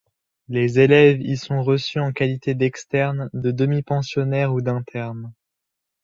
Les élèves y sont reçus en qualité d'externes, de demi-pensionnaires ou d'internes.